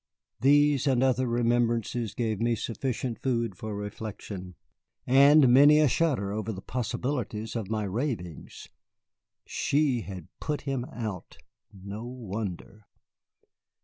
These and other reminiscences gave me sufficient food for reflection, and many a shudder over the possibilities of my ravings. She had put him out! No wonder.